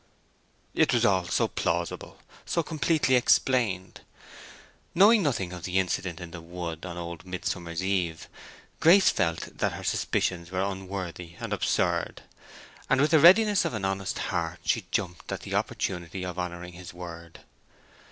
It was all so plausible—so completely explained. Knowing nothing of the incident in the wood on old Midsummer eve, Grace felt that her suspicions were unworthy and absurd, and with the readiness of an honest heart she jumped at the opportunity of honoring his word.